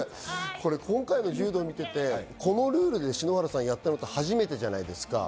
今回の柔道を見ていて、このルールでやったの初めてじゃないですか？